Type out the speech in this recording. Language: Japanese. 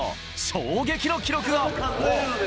衝撃の記録が。